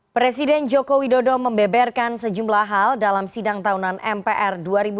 presiden joko widodo membeberkan sejumlah hal dalam sidang tahunan mpr dua ribu dua puluh